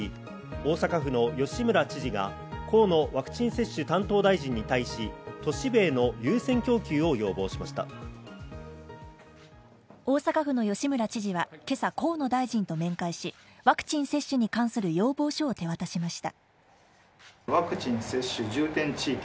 大阪府の吉村知事は今朝、河野大臣と面会し、ワクチン接種に関する要望書を手渡しました。